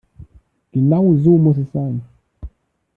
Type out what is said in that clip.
Genau so muss es sein.